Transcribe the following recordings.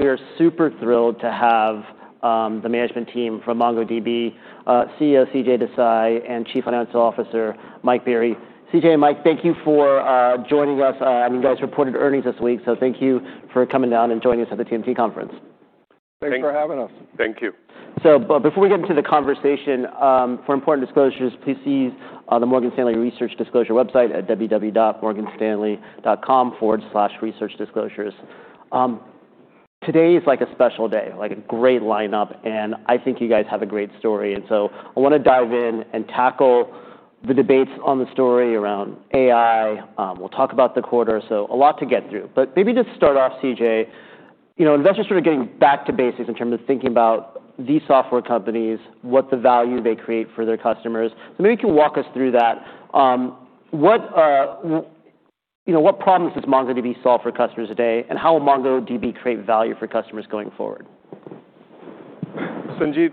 We are super thrilled to have the management team from MongoDB, CEO CJ Desai and Chief Financial Officer Mike Berry. CJ Desai and Mike, thank you for joining us. You guys reported earnings this week, so thank you for coming down and joining us at the TMT conference. Thanks for having us. Thank you. Before we get into the conversation, for important disclosures, please see the Morgan Stanley research disclosure website at www.morganstanley.com/researchdisclosures. Today is like a special day, like a great lineup, and I think you guys have a great story. I wanna dive in and tackle the debates on the story around AI. We'll talk about the quarter, so a lot to get through. Maybe just start off, CJ. You know, investors sort of getting back to basics in terms of thinking about these software companies, what the value they create for their customers. What, you know, what problems does MongoDB solve for customers today, and how will MongoDB create value for customers going forward? Sanjit,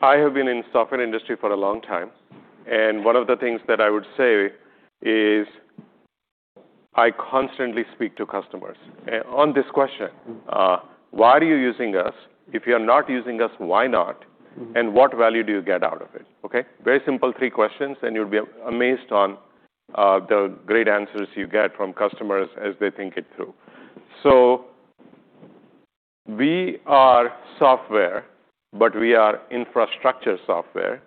I have been in software industry for a long time, and one of the things that I would say is I constantly speak to customers. On this question, why are you using us? If you're not using us, why not? What value do you get out of it? Okay? Very simple three questions, and you'll be amazed on the great answers you get from customers as they think it through. We are software, but we are infrastructure software.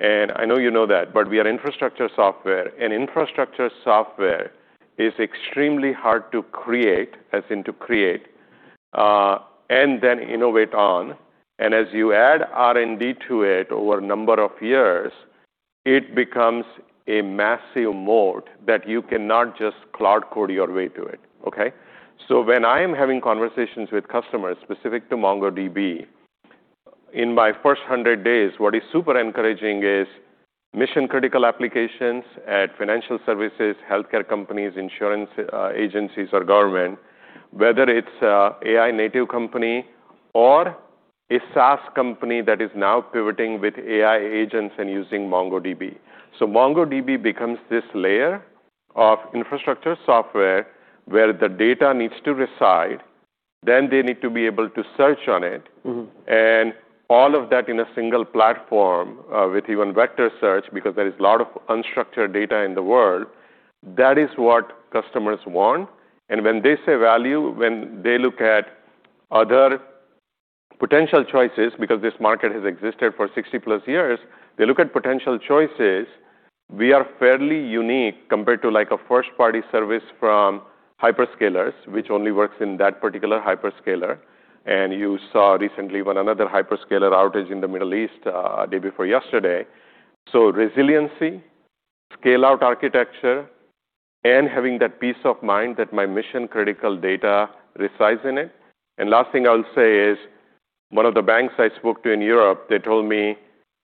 I know you know that, but we are infrastructure software. Infrastructure software is extremely hard to create, as in to create and then innovate on. As you add R&D to it over a number of years, it becomes a massive mode that you cannot just cloud code your way to it. Okay? When I'm having conversations with customers specific to MongoDB, in my first 100 days, what is super encouraging is mission-critical applications at financial services, healthcare companies, insurance agencies or government, whether it's AI native company or a SaaS company that is now pivoting with AI agents and using MongoDB. MongoDB becomes this layer of infrastructure software where the data needs to reside, then they need to be able to search on it. All of that in a single platform, with even vector search, because there is a lot of unstructured data in the world. That is what customers want. When they say value, when they look at other potential choices, because this market has existed for 60-plus years, they look at potential choices. We are fairly unique compared to like a first-party service from hyperscalers, which only works in that particular hyperscaler. You saw recently when another hyperscaler outage in the Middle East, day before yesterday. Resiliency, scale-out architecture, and having that peace of mind that my mission-critical data resides in it. Last thing I'll say is one of the banks I spoke to in Europe, they told me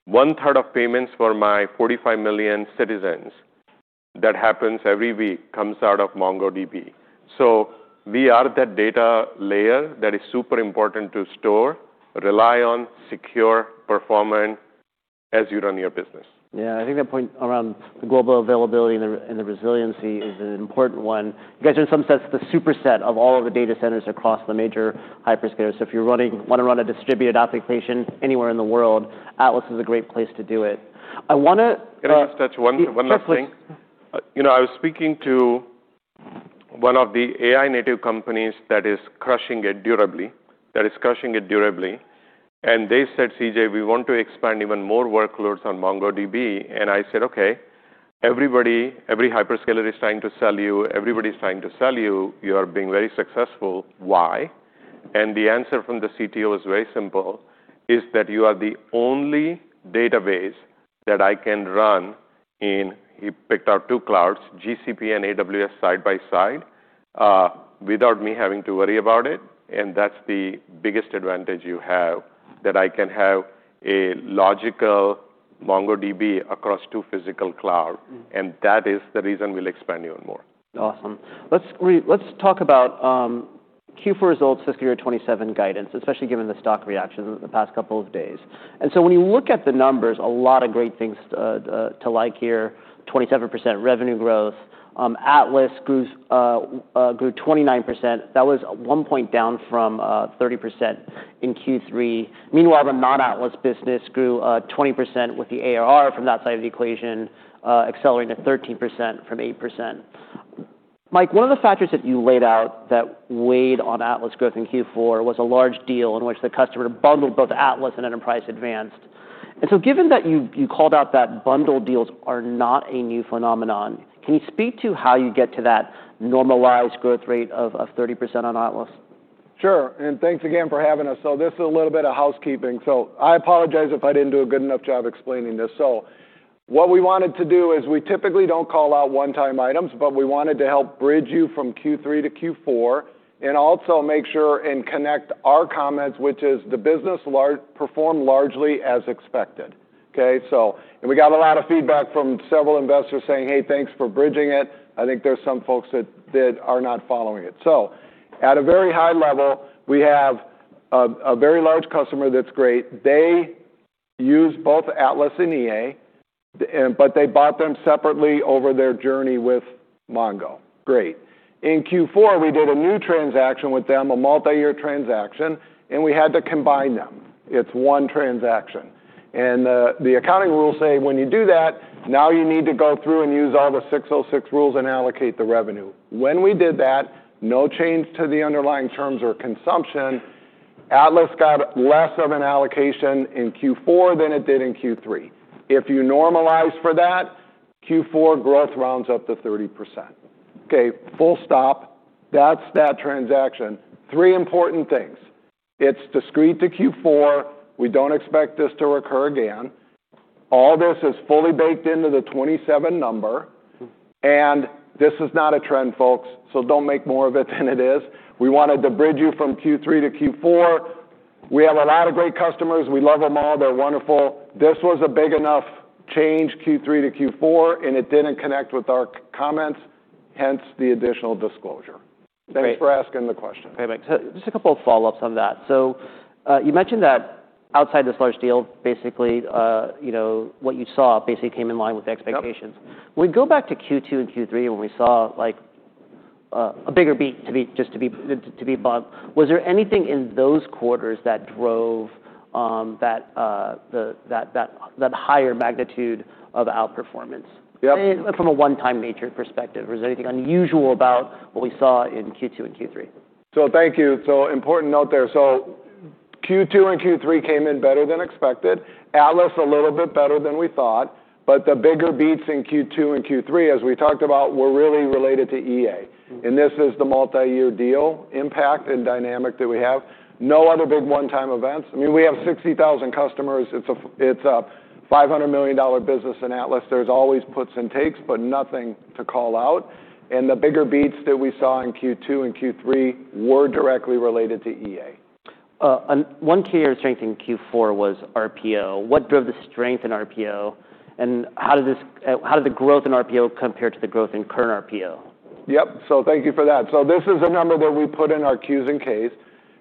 one-third of payments for my 45 million citizens that happens every week comes out of MongoDB. We are that data layer that is super important to store, rely on, secure, perform on as you run your business. Yeah. I think that point around the global availability and the, and the resiliency is an important one. You guys are, in some sense, the superset of all of the data centers across the major hyperscalers. If you wanna run a distributed application anywhere in the world, Atlas is a great place to do it. Can I just touch one last thing? Sure, please. You know, I was speaking to one of the AI native companies that is crushing it durably. They said, "CJ, we want to expand even more workloads on MongoDB." I said, "Okay. Everybody, every hyperscaler is trying to sell you. Everybody's trying to sell you. You are being very successful. Why?" The answer from the CTO is very simple, is that, "You are the only database that I can run in," he picked out two clouds, "GCP and AWS side by side, without me having to worry about it. That's the biggest advantage you have, that I can have a logical MongoDB across two physical cloud. That is the reason we'll expand even more. Awesome. Let's talk about Q4 results, fiscal year 2027 guidance, especially given the stock reaction over the past 2 days. When you look at the numbers, a lot of great things to like here. 27% revenue growth. Atlas grew 29%. That was 1 point down from 30% in Q3. Meanwhile, the non-Atlas business grew 20% with the ARR from that side of the equation accelerating to 13% from 8%. Mike, one of the factors that you laid out that weighed on Atlas growth in Q4 was a large deal in which the customer bundled both Atlas and Enterprise Advanced. Given that you called out that bundled deals are not a new phenomenon, can you speak to how you get to that normalized growth rate of 30% on Atlas? Sure. Thanks again for having us. This is a little bit of housekeeping. I apologize if I didn't do a good enough job explaining this. What we wanted to do is we typically don't call out one-time items, but we wanted to help bridge you from Q3 to Q4 and also make sure and connect our comments, which is the business performed largely as expected. Okay? We got a lot of feedback from several investors saying, "Hey, thanks for bridging it." I think there's some folks that are not following it. At a very high level, we have a very large customer that's great. They use both Atlas and EA, but they bought them separately over their journey with Mongo. Great. In Q4, we did a new transaction with them, a multi-year transaction, and we had to combine them. It's one transaction. The accounting rules say when you do that, now you need to go through and use all the 606 rules and allocate the revenue. When we did that, no change to the underlying terms or consumption, Atlas got less of an allocation in Q4 than it did in Q3. If you normalize for that, Q4 growth rounds up to 30%. Okay, full stop. That's that transaction. Three important things. It's discrete to Q4. We don't expect this to recur again. All this is fully baked into the 27 number, and this is not a trend, folks, so don't make more of it than it is. We wanted to bridge you from Q3 to Q4. We have a lot of great customers. We love them all. They're wonderful. This was a big enough change, Q3 to Q4, and it didn't connect with our c-comments, hence the additional disclosure. Great. Thanks for asking the question. Okay, thanks. Just a couple of follow-ups on that. You mentioned that outside this large deal, basically, you know, what you saw basically came in line with the expectations. Yep. When we go back to Q2 and Q3 when we saw like, a bigger beat, just to be above, was there anything in those quarters that drove, that, the higher magnitude of outperformance? Yep. From a one-time nature perspective, was there anything unusual about what we saw in Q2 and Q3? Thank you. Important note there. Q2 and Q3 came in better than expected. Atlas, a little bit better than we thought, but the bigger beats in Q2 and Q3, as we talked about, were really related to EA. This is the multi-year deal impact and dynamic that we have. No other big one-time events. I mean, we have 60,000 customers. It's a $500 million business in Atlas. There's always puts and takes, but nothing to call out. The bigger beats that we saw in Q2 and Q3 were directly related to EA. One key strength in Q4 was RPO. What drove the strength in RPO, and how did the growth in RPO compare to the growth in current RPO? Yep. Thank you for that. This is a number that we put in our 10-Qs and 10-Ks.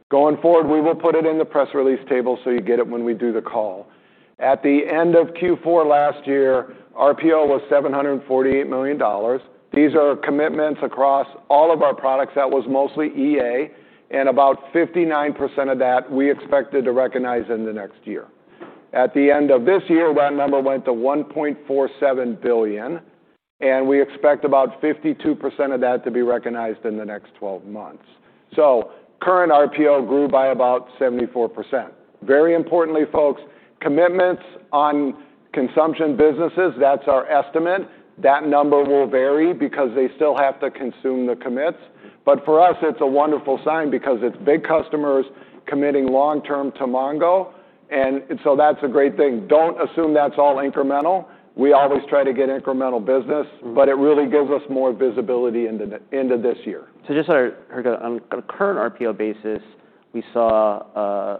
Going forward, we will put it in the press release table so you get it when we do the call. At the end of Q4 last year, RPO was $748 million. These are commitments across all of our products. That was mostly EA, and about 59% of that we expected to recognize in the next year. At the end of this year, that number went to $1.47 billion, and we expect about 52% of that to be recognized in the next 12 months. Current RPO grew by about 74%. Very importantly, folks, commitments on consumption businesses, that's our estimate. That number will vary because they still have to consume the commits. For us, it's a wonderful sign because it's big customers committing long-term to Mongo. So that's a great thing. Don't assume that's all incremental. We always try to get incremental business. It really gives us more visibility into this year. Just on a, on a current RPO basis, we saw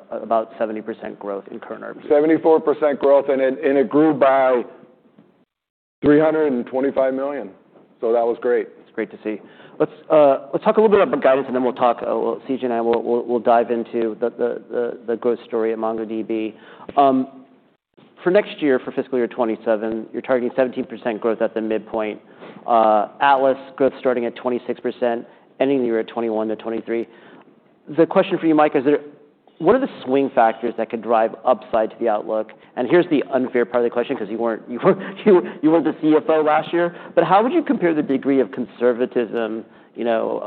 about 70% growth in current RPO. 74% growth, it grew by $325 million. That was great. It's great to see. Let's talk a little bit about guidance, and then we'll talk, well, CJ Desai and I will dive into the growth story at MongoDB. For next year, for fiscal year 2027, you're targeting 17% growth at the midpoint. Atlas growth starting at 26%, ending the year at 21%-23%. The question for you, Mike, what are the swing factors that could drive upside to the outlook? Here's the unfair part of the question because you weren't the CFO last year. How would you compare the degree of conservatism, you know,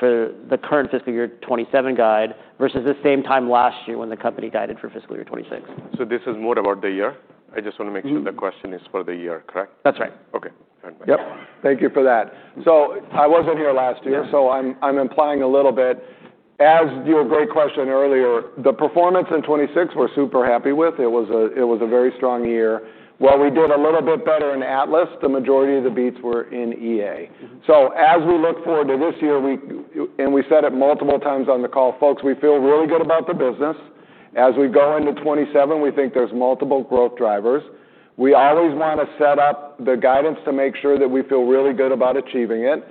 for the current fiscal year 2027 guide versus the same time last year when the company guided for fiscal year 2026? This is more about the year? I just want to make sure... The question is for the year, correct? That's right. Okay. Stand by. Yep. Thank you for that. I wasn't here last year, I'm implying a little bit. As your great question earlier, the performance in 26 we're super happy with. It was a very strong year. While we did a little bit better in Atlas, the majority of the beats were in EA. As we look forward to this year, we said it multiple times on the call, folks, we feel really good about the business. As we go into 27, we think there's multiple growth drivers. We always wanna set up the guidance to make sure that we feel really good about achieving it,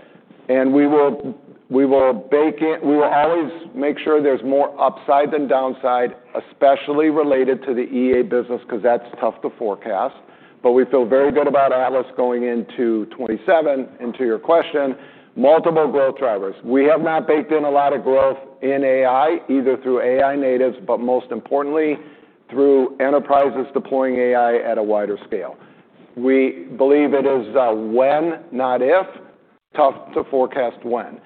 and we will always make sure there's more upside than downside, especially related to the EA business, 'cause that's tough to forecast. We feel very good about Atlas going into 27. To your question, multiple growth drivers. We have not baked in a lot of growth in AI, either through AI natives, but most importantly through enterprises deploying AI at a wider scale. We believe it is when, not if. Tough to forecast when.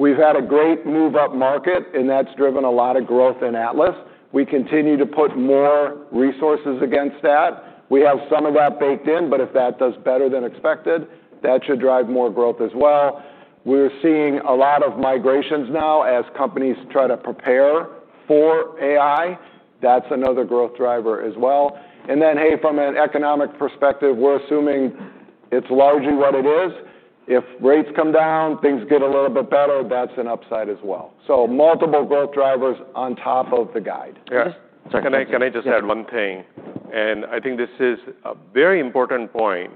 We've had a great move-up market, and that's driven a lot of growth in Atlas. We continue to put more resources against that. We have some of that baked in, but if that does better than expected, that should drive more growth as well. We're seeing a lot of migrations now as companies try to prepare for AI. That's another growth driver as well. Hey, from an economic perspective, we're assuming it's largely what it is. If rates come down, things get a little bit better, that's an upside as well. Multiple growth drivers on top of the guide. Yes. Can I just add one thing? Yeah. I think this is a very important point.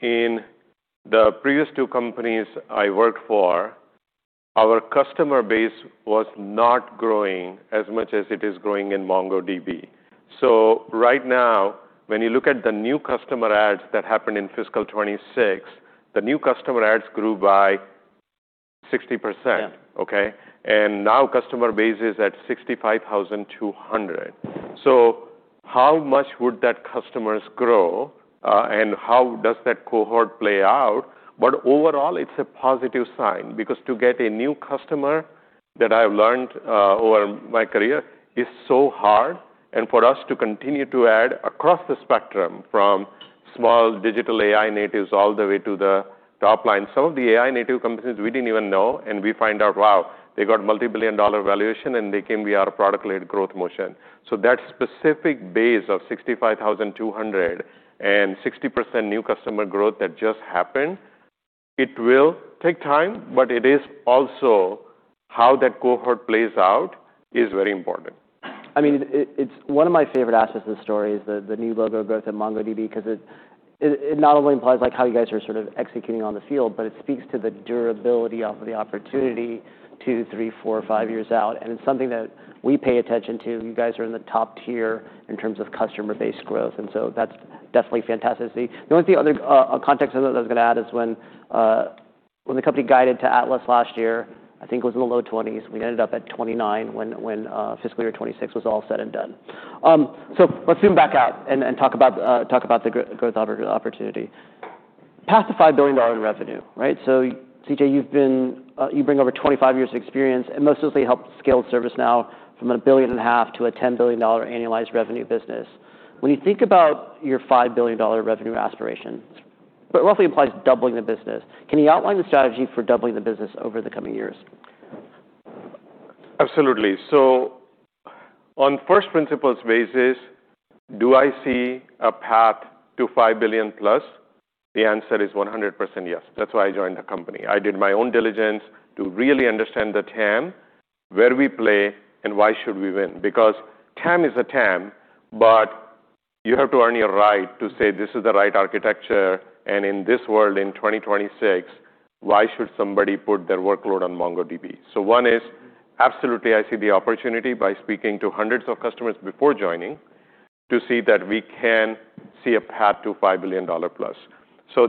In the previous two companies I worked for. Our customer base was not growing as much as it is growing in MongoDB. Right now, when you look at the new customer adds that happened in fiscal 26, the new customer adds grew by 60%. Yeah. Okay? Now customer base is at 65,200. How much would that customers grow, and how does that cohort play out? Overall, it's a positive sign because to get a new customer that I've learned over my career is so hard and for us to continue to add across the spectrum from small digital AI natives all the way to the top line. Some of the AI native companies we didn't even know, and we find out, wow, they got multi-billion dollar valuation and they came via product-led growth motion. That specific base of 65,200 and 60% new customer growth that just happened, it will take time, but it is also how that cohort plays out is very important. I mean, it's one of my favorite aspects of the story is the new logo growth in MongoDB, 'cause it not only implies like how you guys are sort of executing on the field, but it speaks to the durability of the opportunity two, three, four, five years out. It's something that we pay attention to. You guys are in the top tier in terms of customer-based growth, that's definitely fantastic to see. The only other context I was gonna add is when the company guided to Atlas last year, I think it was in the low twenties. We ended up at 29 when fiscal year 2026 was all said and done. Let's zoom back out and talk about the growth opportunity. Past the $5 billion in revenue, right? CJ, you've been, you bring over 25 years of experience, and most recently helped scale ServiceNow from a billion and a half to a $10 billion annualized revenue business. When you think about your $5 billion revenue aspirations, but roughly implies doubling the business, can you outline the strategy for doubling the business over the coming years? Absolutely. On first principles basis, do I see a path to $5 billion plus? The answer is 100% yes. That's why I joined the company. I did my own diligence to really understand the TAM, where we play and why should we win. TAM is a TAM, but you have to earn your right to say, this is the right architecture, and in this world in 2026, why should somebody put their workload on MongoDB? One is, absolutely, I see the opportunity by speaking to hundreds of customers before joining to see that we can see a path to $5 billion plus.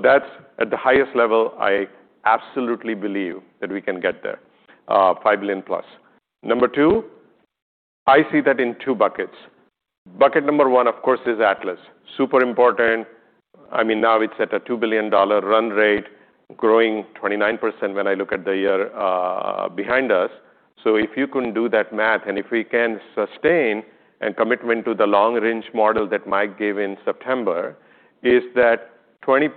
That's at the highest level, I absolutely believe that we can get there, $5 billion plus. Number 2, I see that in 2 buckets. Bucket number 1, of course, is Atlas. Super important. I mean, now it's at a $2 billion run rate, growing 29% when I look at the year behind us. If you can do that math, and if we can sustain and commitment to the long range model that Mike gave in September, he said 20%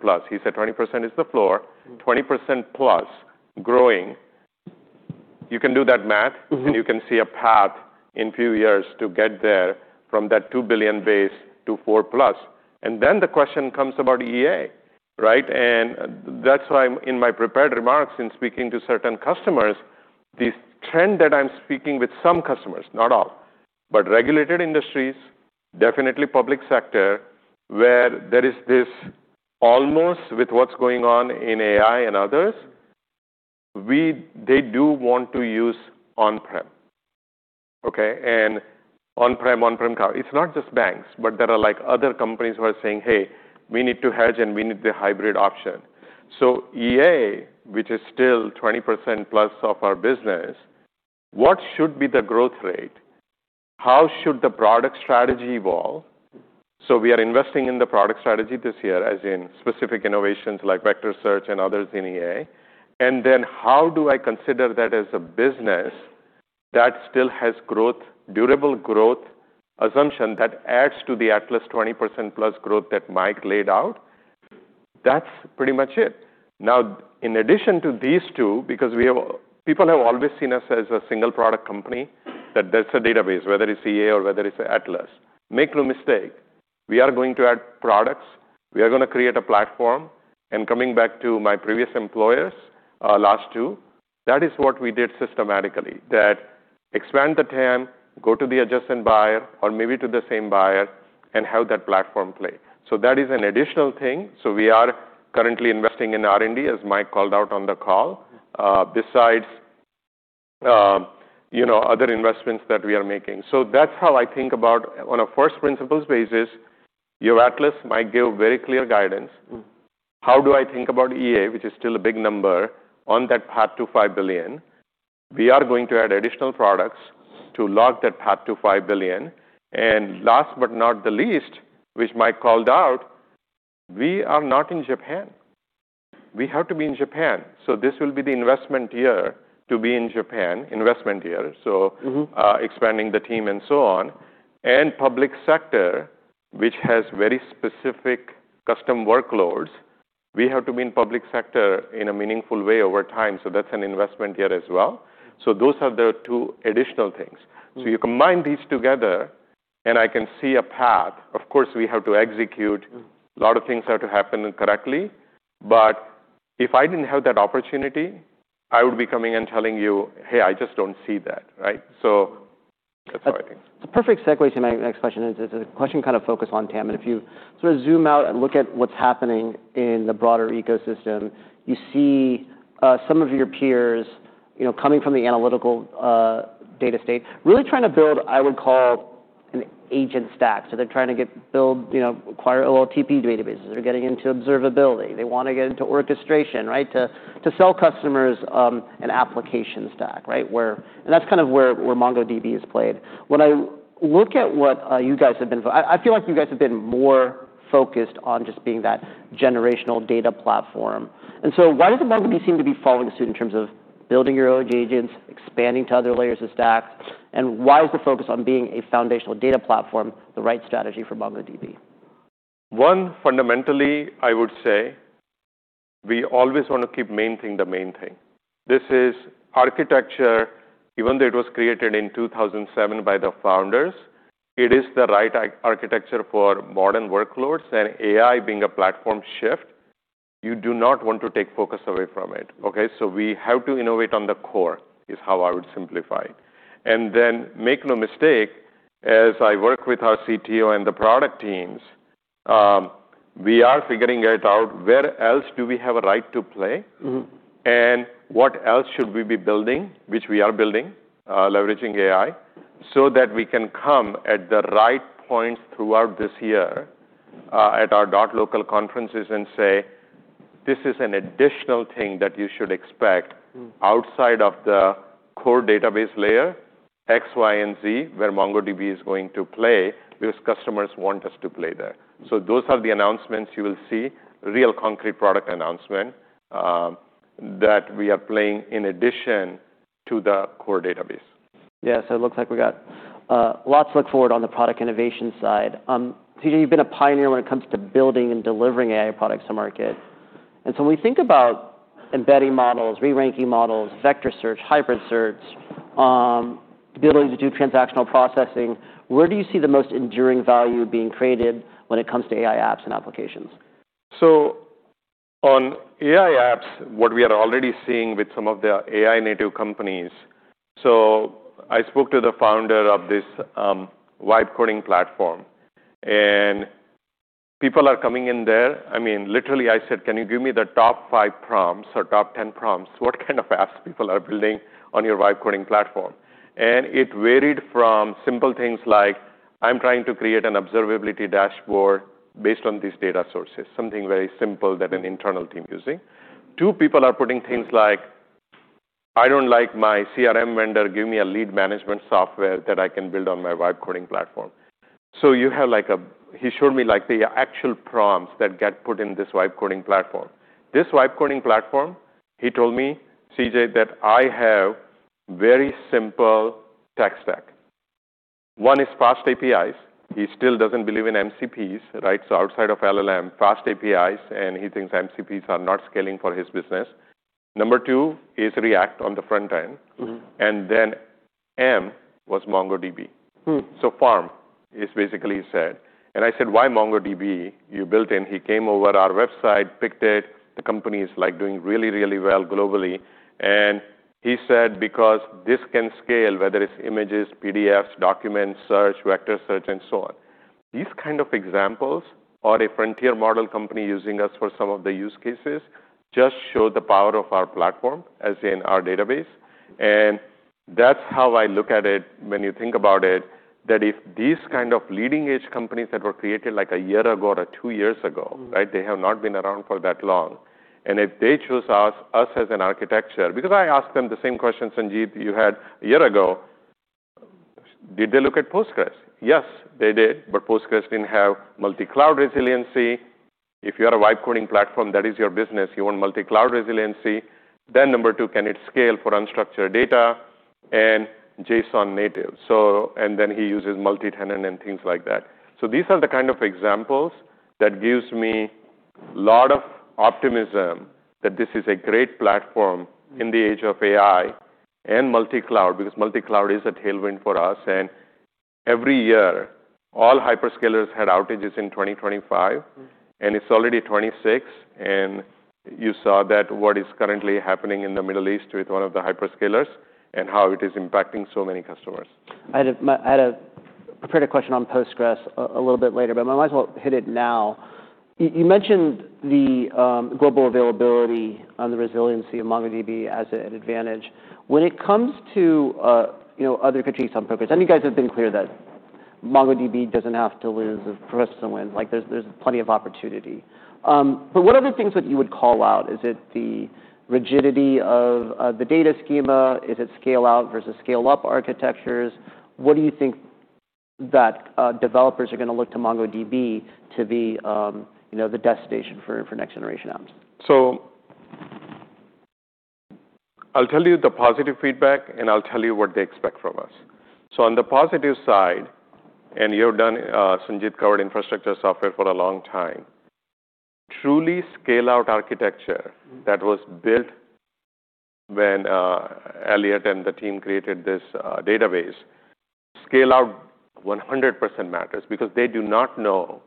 plus. He said 20% is the floor. 20% plus growing. You can do that math. You can see a path in few years to get there from that $2 billion base to 4+. Then the question comes about EA, right? That's why in my prepared remarks in speaking to certain customers, this trend that I'm speaking with some customers, not all, but regulated industries, definitely public sector, where there is this almost with what's going on in AI and others, they do want to use on-prem. Okay? On-prem, on-prem account. It's not just banks, but there are like other companies who are saying, "Hey, we need to hedge and we need the hybrid option." EA, which is still 20%+ of our business, what should be the growth rate? How should the product strategy evolve? We are investing in the product strategy this year, as in specific innovations like vector search and others in EA. How do I consider that as a business that still has growth, durable growth assumption that adds to the Atlas 20% plus growth that Mike laid out? That's pretty much it. Now, in addition to these two, because people have always seen us as a single product company, that's a database, whether it's EA or whether it's Atlas. Make no mistake, we are going to add products. We are gonna create a platform. Coming back to my previous employers, last two, that is what we did systematically. That expand the TAM, go to the adjacent buyer or maybe to the same buyer and have that platform play. That is an additional thing. We are currently investing in R&D, as Mike called out on the call, besides, you know, other investments that we are making. That's how I think about on a first principles basis, your Atlas might give very clear guidance. How do I think about EA, which is still a big number on that path to $5 billion? We are going to add additional products to log that path to $5 billion. Last but not the least, which Mike called out, we are not in Japan. We have to be in Japan. This will be the investment year to be in Japan, investment year. Expanding the team and so on. Public sector, which has very specific custom workloads, we have to be in public sector in a meaningful way over time. That's an investment here as well. Those are the two additional things. You combine these together and I can see a path. Of course, we have to execute. A lot of things have to happen correctly. If I didn't have that opportunity, I would be coming and telling you, "Hey, I just don't see that." Right? That's the perfect segue to my next question is the question kind of focused on TAM. If you sort of zoom out and look at what's happening in the broader ecosystem, you see, some of your peers, you know, coming from the analytical, data state, really trying to build, I would call, an agent stack. They're trying to build, you know, acquire OLTP databases. They're getting into observability. They wanna get into orchestration, right? To, to sell customers, an application stack, right? That's kind of where MongoDB has played. When I look at what, I feel like you guys have been more focused on just being that generational data platform. Why doesn't MongoDB seem to be following suit in terms of building your own agents, expanding to other layers of stack? Why is the focus on being a foundational data platform the right strategy for MongoDB? One, fundamentally, I would say we always wanna keep main thing the main thing. This is architecture. Even though it was created in 2007 by the founders, it is the right architecture for modern workloads. AI being a platform shift, you do not want to take focus away from it, okay? We have to innovate on the core, is how I would simplify it. Make no mistake, as I work with our CTO and the product teams, we are figuring it out, where else do we have a right to play-... and what else should we be building, which we are building, leveraging AI, so that we can come at the right points throughout this year, at our MongoDB.local conferences and say, "This is an additional thing that you should expect outside of the core database layer X, Y, and Z, where MongoDB is going to play because customers want us to play there." Those are the announcements you will see, real concrete product announcement, that we are playing in addition to the core database. It looks like we got lots to look forward on the product innovation side. CJ, you've been a pioneer when it comes to building and delivering AI products to market. When we think about embedding models, re-ranking models, vector search, hybrid search, the ability to do transactional processing, where do you see the most enduring value being created when it comes to AI apps and applications? On AI apps, what we are already seeing with some of the AI native companies. I spoke to the founder of this Vibe Coding platform, People are coming in there. I mean, literally I said, "Can you give me the top 5 prompts or top 10 prompts? What kind of apps people are building on your Vibe Coding platform?" It varied from simple things like, "I'm trying to create an observability dashboard based on these data sources," something very simple that an internal team using. Two people are putting things like, "I don't like my CRM vendor. Give me a lead management software that I can build on my Vibe Coding platform." He showed me, like, the actual prompts that get put in this Vibe Coding platform. This Vibe Coding platform, he told me, CJ, that I have very simple tech stack. One is fast APIs. He still doesn't believe in MCPs, right? Outside of LLM, fast APIs, and he thinks MCPs are not scaling for his business. Number two is React on the front end. M was MongoDB. FARM is basically he said. I said, "Why MongoDB you built in?" He came over our website, picked it. The company is, like, doing really, really well globally. He said, "Because this can scale, whether it's images, PDFs, documents, search, vector search, and so on." These kind of examples are a frontier model company using us for some of the use cases just show the power of our platform, as in our database. That's how I look at it when you think about it, that if these kind of leading-edge companies that were created, like, a year ago or two years ago.... right? They have not been around for that long. If they choose us as an architecture. Because I asked them the same question, Sanjit, you had a year ago. Did they look at PostgreSQL? Yes, they did, but PostgreSQL didn't have multi-cloud resiliency. If you are a Vibe Coding platform, that is your business. You want multi-cloud resiliency. number two, can it scale for unstructured data and JSON native? He uses multi-tenant and things like that. These are the kind of examples that gives me lot of optimism that this is a great platform in the age of AI and multi-cloud, because multi-cloud is a tailwind for us. Every year, all hyperscalers had outages in 2025. It's already 2026, and you saw that what is currently happening in the Middle East with one of the hyperscalers and how it is impacting so many customers. I had prepared a question on Postgres a little bit later, but I might as well hit it now. You mentioned the global availability and the resiliency of MongoDB as an advantage. When it comes to, you know, other countries on Postgres, and you guys have been clear that MongoDB doesn't have to lose for us to win. Like, there's plenty of opportunity. What are the things that you would call out? Is it the rigidity of the data schema? Is it scale-out versus scale-up architectures? What do you think that developers are gonna look to MongoDB to be, you know, the destination for next generation apps? I'll tell you the positive feedback, and I'll tell you what they expect from us. On the positive side, and you've done, Sanjit covered infrastructure software for a long time. Truly scale-out architecture that was built when Eliot and the team created this database. Scale-out 100% matters because they do not know-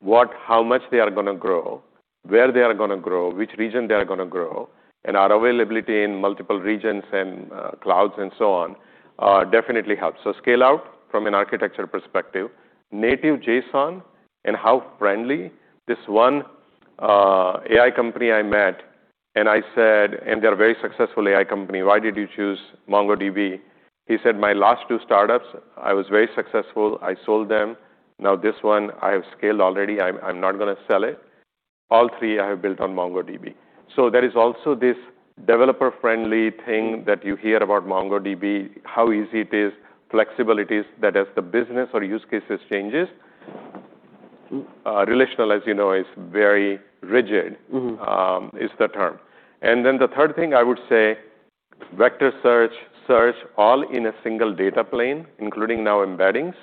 what, how much they are gonna grow, where they are gonna grow, which region they are gonna grow, and our availability in multiple regions and clouds and so on, definitely helps. Scale out from an architecture perspective, native JSON and how friendly this one AI company I met, and they're a very successful AI company, "Why did you choose MongoDB?" He said, "My last two startups, I was very successful. I sold them. Now this one I have scaled already. I'm not gonna sell it. All three I have built on MongoDB." There is also this developer-friendly thing that you hear about MongoDB, how easy it is, flexible it is that as the business or use cases changes. Relational, as you know, is very rigid-... is the term. The third thing I would say, vector search all in a single data plane, including now embeddings.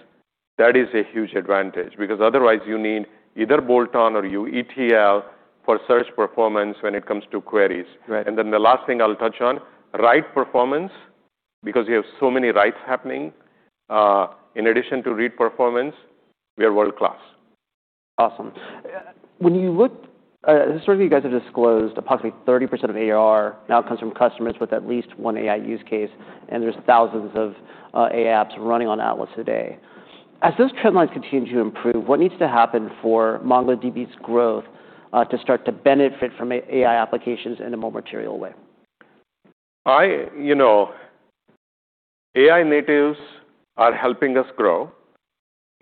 That is a huge advantage because otherwise you need either bolt-on or you ETL for search performance when it comes to queries. Right. The last thing I'll touch on, write performance, because you have so many writes happening, in addition to read performance, we are world-class. Awesome. When you look, certainly you guys have disclosed approximately 30% of AR now comes from customers with at least one AI use case, and there's thousands of AI apps running on Atlas today. As those trend lines continue to improve, what needs to happen for MongoDB's growth to start to benefit from AI applications in a more material way? I, you know, AI natives are helping us grow.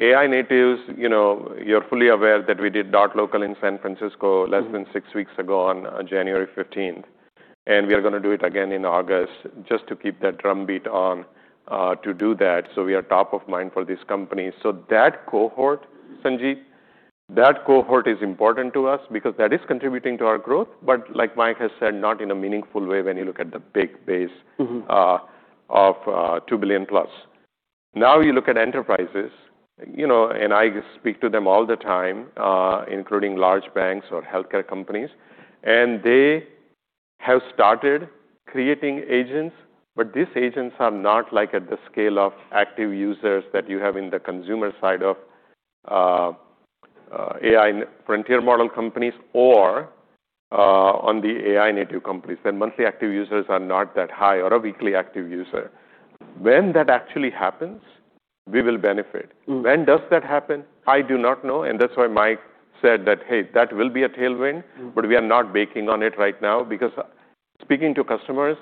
AI natives, you know, you're fully aware that we did MongoDB.local in San Francisco less than six weeks ago on January fifteenth, and we are gonna do it again in August just to keep that drumbeat on to do that. We are top of mind for these companies. That cohort, Sanjit, that cohort is important to us because that is contributing to our growth, but like Mike has said, not in a meaningful way when you look at the big base- of $2 billion plus. Now you look at enterprises, you know, and I speak to them all the time, including large banks or healthcare companies, and they have started creating agents, but these agents are not like at the scale of active users that you have in the consumer side of AI frontier model companies or on the AI native companies. Their monthly active users are not that high or a weekly active user. When that actually happens, we will benefit. When does that happen? I do not know, and that's why Mike said that, "Hey, that will be a tailwind. We are not banking on it right now because speaking to customers,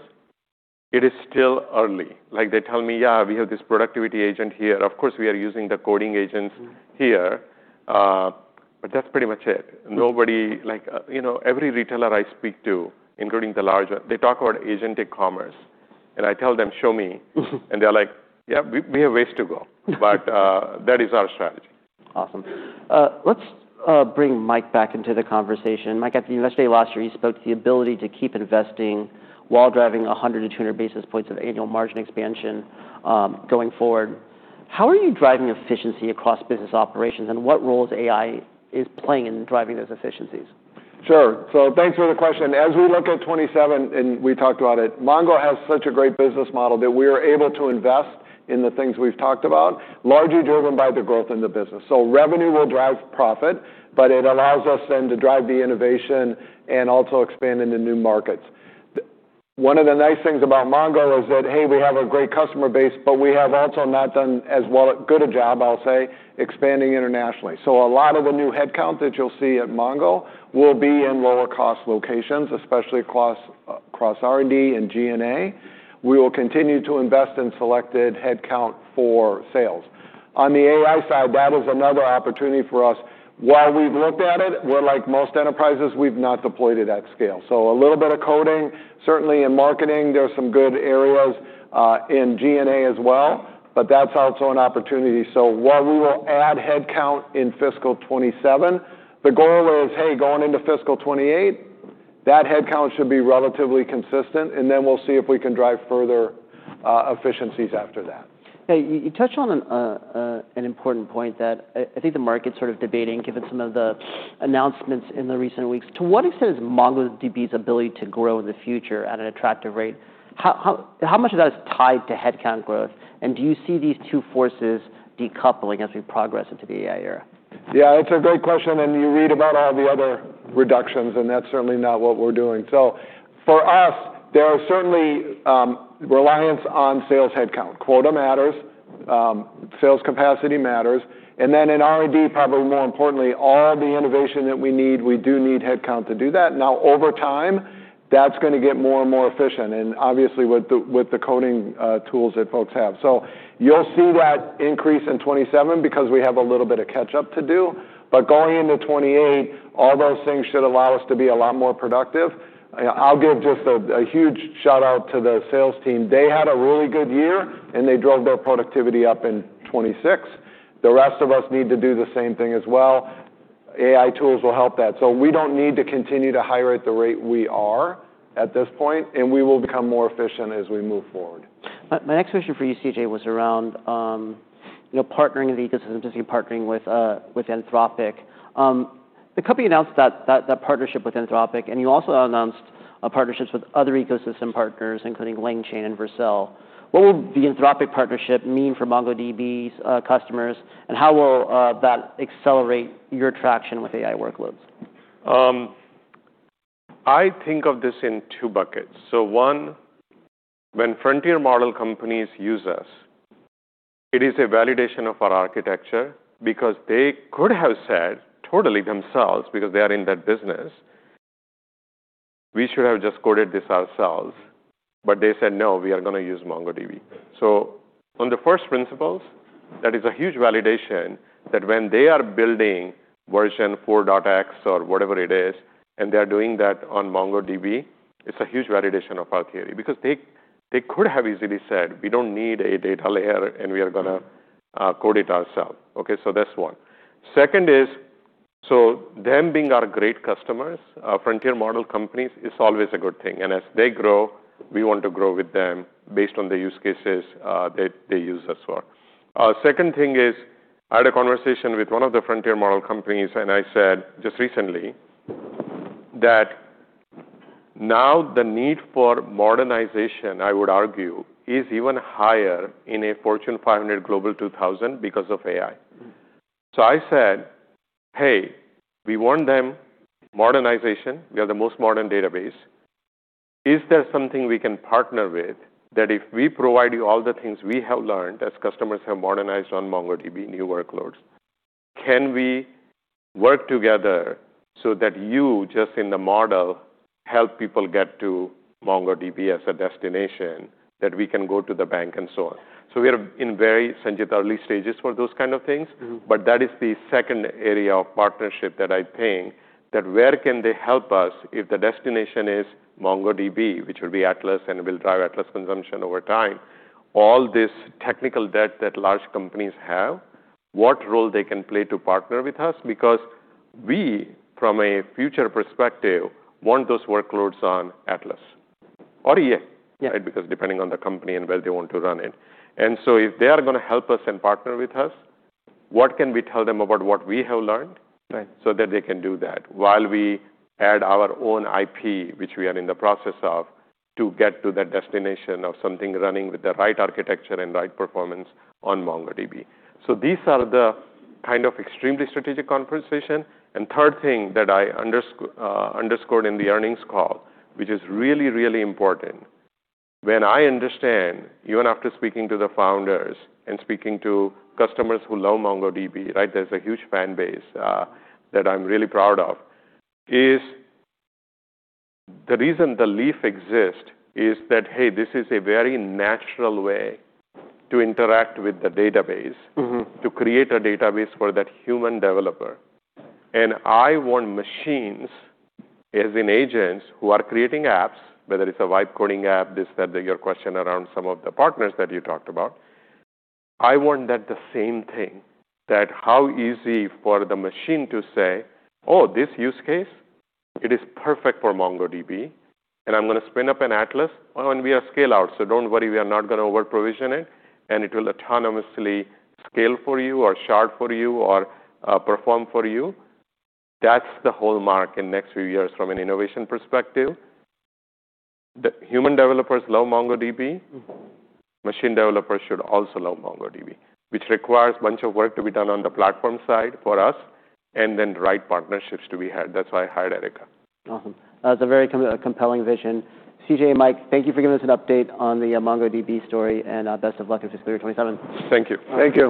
it is still early. Like, they tell me, "Yeah, we have this productivity agent here. Of course, we are using the coding agents here. That's pretty much it. Like, you know, every retailer I speak to, including the larger, they talk about agent e-commerce, and I tell them, "Show me." They're like, "Yeah, we have ways to go." That is our strategy. Awesome. Let's bring Mike back into the conversation. Mike, at the investor day last year, you spoke to the ability to keep investing while driving 100 to 200 basis points of annual margin expansion going forward. How are you driving efficiency across business operations, and what role is AI is playing in driving those efficiencies? Thanks for the question. As we look at 2027, and we talked about it, Mongo has such a great business model that we are able to invest in the things we've talked about, largely driven by the growth in the business. Revenue will drive profit, but it allows us then to drive the innovation and also expand into new markets. One of the nice things about Mongo is that, hey, we have a great customer base, but we have also not done as good a job, I'll say, expanding internationally. A lot of the new headcount that you'll see at Mongo will be in lower cost locations, especially across R&D and G&A. We will continue to invest in selected headcount for sales. On the AI side, that is another opportunity for us. While we've looked at it, we're like most enterprises, we've not deployed it at scale. A little bit of coding. Certainly in marketing, there's some good areas in G&A as well, but that's also an opportunity. While we will add headcount in fiscal 2027, the goal is, hey, going into fiscal 2028, that headcount should be relatively consistent, and then we'll see if we can drive further efficiencies after that. Hey, you touched on an important point that I think the market's sort of debating given some of the announcements in the recent weeks. To what extent is MongoDB's ability to grow in the future at an attractive rate, how much of that is tied to headcount growth? Do you see these two forces decoupling as we progress into the AI era? It's a great question, and you read about all the other reductions, and that's certainly not what we're doing. For us, there are certainly reliance on sales headcount. Quota matters, sales capacity matters, and then in R&D, probably more importantly, all the innovation that we need, we do need headcount to do that. Now over time, that's gonna get more and more efficient, and obviously with the, with the coding tools that folks have. You'll see that increase in 2027 because we have a little bit of catch up to do. Going into 2028, all those things should allow us to be a lot more productive. I'll give just a huge shout-out to the sales team. They had a really good year, and they drove their productivity up in 2026. The rest of us need to do the same thing as well. AI tools will help that. We don't need to continue to hire at the rate we are at this point, and we will become more efficient as we move forward. My next question for you, CJ, was around, you know, partnering with the ecosystem, partnering with Anthropic. The company announced that partnership with Anthropic, and you also announced partnerships with other ecosystem partners, including LangChain and Vercel. What will the Anthropic partnership mean for MongoDB's customers, and how will that accelerate your traction with AI workloads? I think of this in two buckets. One, when frontier model companies use us, it is a validation of our architecture because they could have said totally themselves, because they are in that business, "We should have just coded this ourselves." They said, "No, we are gonna use MongoDB." On the first principles, that is a huge validation that when they are building version 4.X or whatever it is, and they are doing that on MongoDB, it's a huge validation of our theory because they could have easily said, "We don't need a data layer, and we are gonna code it ourself." That's one. Second is, them being our great customers, frontier model companies, is always a good thing. As they grow, we want to grow with them based on the use cases that they use us for. Second thing is I had a conversation with one of the frontier model companies, and I said just recently that now the need for modernization, I would argue, is even higher in a Fortune 500 Global 2000 because of AI. I said, "Hey, we want them modernization. We are the most modern database. Is there something we can partner with that if we provide you all the things we have learned as customers have modernized on MongoDB new workloads, can we work together so that you, just in the model, help people get to MongoDB as a destination that we can go to the bank and so on?" We are in very sensitive early stages for those kind of things. That is the second area of partnership that I think that where can they help us if the destination is MongoDB, which will be Atlas and will drive Atlas consumption over time. All this technical debt that large companies have, what role they can play to partner with us because we, from a future perspective, want those workloads on Atlas or EA. Yeah. Right? Because depending on the company and where they want to run it. So if they are gonna help us and partner with us, what can we tell them about what we have learned- Right so that they can do that while we add our own IP, which we are in the process of, to get to that destination of something running with the right architecture and right performance on MongoDB. These are the kind of extremely strategic conversation. Third thing that I underscored in the earnings call, which is really, really important. When I understand, even after speaking to the founders and speaking to customers who love MongoDB, right? There's a huge fan base that I'm really proud of. Is the reason the Leaf exists is that, hey, this is a very natural way to interact with the database. To create a database for that human developer. I want machines, as in agents who are creating apps, whether it's a Vibe Coding app, this, that your question around some of the partners that you talked about. I want that the same thing, that how easy for the machine to say, "Oh, this use case, it is perfect for MongoDB, and I'm gonna spin up an Atlas." We are scale out, so don't worry, we are not gonna over-provision it, and it will autonomously scale for you or shard for you or perform for you. That's the hallmark in next few years from an innovation perspective. The human developers love MongoDB. Machine developers should also love MongoDB, which requires bunch of work to be done on the platform side for us and then right partnerships to be had. That's why I hired Erica. Awesome. That's a very compelling vision. CJ, Mike, thank you for giving us an update on the MongoDB story, and best of luck in 647. Thank you. Thank you.